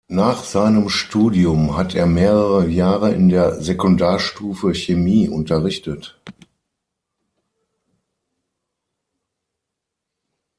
Nach seinem Studium hat er mehrere Jahre in der Sekundarstufe Chemie unterrichtet.